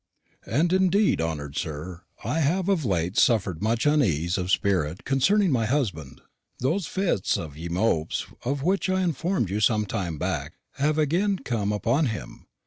"And indeed, honour'd sir, I have of late suffered much uneasinesse of speritt concerning my husband. Those fits of ye mopes of w'h I informed you some time back have again come upon him.